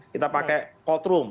kita pakai courtroom